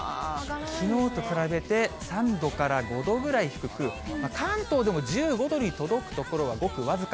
きのうと比べて、３度から５度ぐらい低く、関東でも１５度に届く所はごくわずか。